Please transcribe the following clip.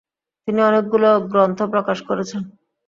তিনি অনেকগুলো গ্রন্থ প্রকাশ করেছেন।